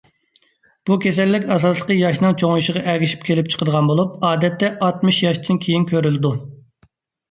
بۇ كېسەللىك ئاساسلىقى ياشنىڭ چوڭىيىشىغا ئەگىشىپ كېلىپ چىقىدىغان بولۇپ، ئادەتتە ئاتمىش ياشتىن كېيىن كۆرۈلىدۇ.